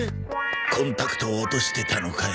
コンタクト落としてたのかよ。